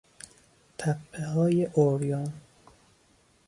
تپههای عریان